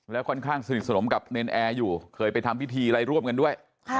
แล้วค่อนข้างสนิทสนมกับเนรนแอร์อยู่เคยไปทำพิธีอะไรร่วมกันด้วย